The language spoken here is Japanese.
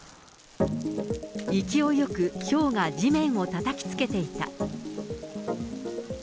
勢いよくひょうが地面をたたきつけていた。